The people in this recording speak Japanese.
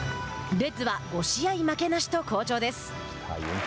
レッズは５試合負けなしと好調です。